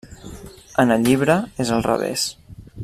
En el llibre, és al revés.